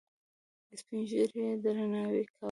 سپین ږیرو یې درناوی کاوه.